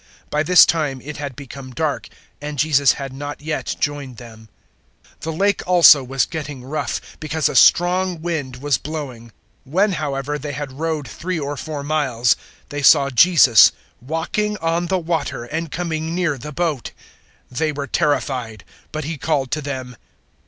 By this time it had become dark, and Jesus had not yet joined them. 006:018 The Lake also was getting rough, because a strong wind was blowing. 006:019 When, however, they had rowed three or four miles, they saw Jesus walking on the water and coming near the boat. 006:020 They were terrified; but He called to them.